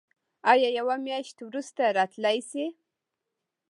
ایا یوه میاشت وروسته راتلی شئ؟